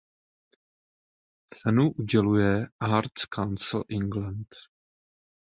Cenu uděluje Arts Council England.